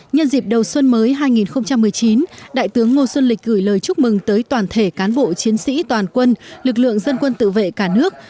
nhân dịp đầu xuân mới hai nghìn một mươi chín đại tướng ngô xuân lịch gửi lời chúc mừng tới toàn thể cán bộ chiến sĩ toàn quân lực lượng dân quân tự vệ cả nước